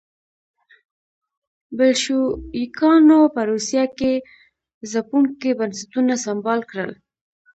بلشویکانو په روسیه کې ځپونکي بنسټونه سمبال کړل.